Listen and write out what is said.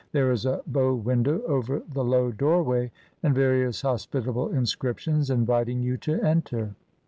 There is a bow window over the low doorway, and various hospitable inscriptions inviting you to enter.